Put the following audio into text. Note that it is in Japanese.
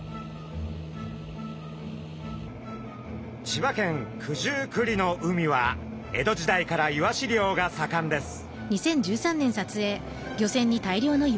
千葉県九十九里の海は江戸時代からイワシ漁がさかんです。